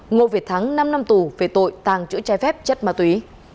ngô việt thắng năm năm tù về tội tàng trữ chai phép chất ma túy